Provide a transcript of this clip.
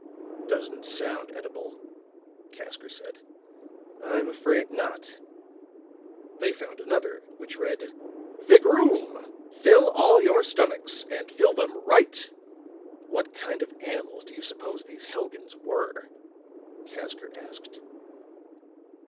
'" "Doesn't sound edible," Casker said. "I'm afraid not." They found another, which read: VIGROOM! FILL ALL YOUR STOMACHS, AND FILL THEM RIGHT! "What kind of animals do you suppose these Helgans were?" Casker asked.